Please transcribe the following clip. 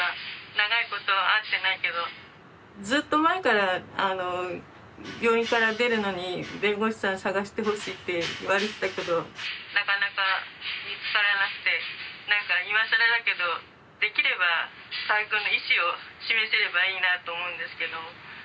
長いこと会ってないけどずっと前から病院から出るのに弁護士さん探してほしいって言われてたけどなかなか見つからなくて何か今更だけどできれば河合くんの意思を示せればいいなと思うんですけども。